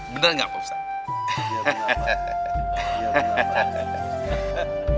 benar gak pak ustadz